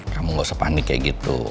kamu gak usah panik kayak gitu